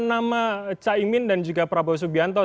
sekarang dari lagu neem putri